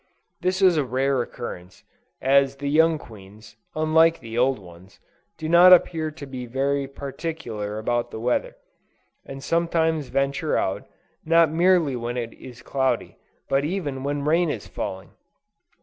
This is a rare occurrence, as the young queens, unlike the old ones, do not appear to be very particular about the weather, and sometimes venture out, not merely when it is cloudy, but even when rain is falling.